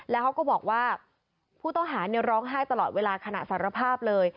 แล้วเขาก็บอกว่าผู้ต้องหาร้องไห้ตลอดเวลาขณะสารภาพเลย